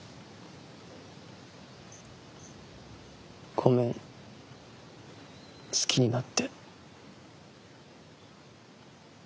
ごめん好きになって。